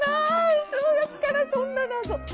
お正月からそんな謎。